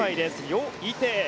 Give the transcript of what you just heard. ヨ・イテイ。